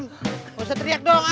gak usah teriak dong ah